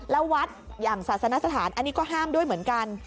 แล้ววัดอย่างศาสนสถานอันนี้ก็ห้ามด้วยเหมือนกัน